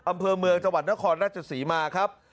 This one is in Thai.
อำเภอเมืองจังหวัดนครราชศรีมาครับ